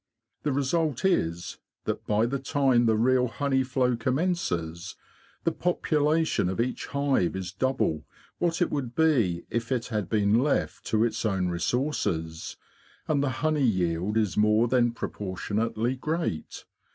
The result is that by the time the real honey flow commences the population of each hive is double what it would be if it had been left to its own resources, and the honey yield is more than proportionately great.